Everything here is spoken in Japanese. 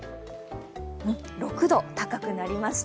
６度、高くなりました。